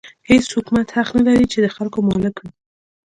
هېڅ حکومت حق نه لري چې د خلکو مالک وي.